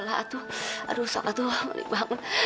aduh sokatu mulih bangun